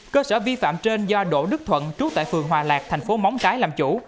cơ sở vi phạm trên do đỗ đức thuận trú tại phường hòa lạc thành phố móng cái làm chủ